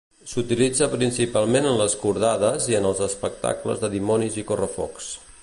S'utilitza principalment en les cordades i en els espectacles de dimonis i correfocs.